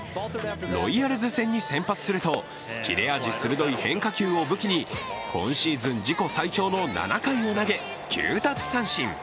ロイヤルズ戦に先発すると切れ味鋭い変化球を武器に今シーズン自己最長の７回を投げ、９奪三振。